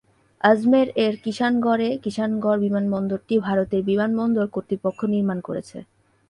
আজমের এর কিষাণগড় এ কিষানগড় বিমানবন্দরটি ভারতের বিমানবন্দর কর্তৃপক্ষ নির্মাণ করেছে।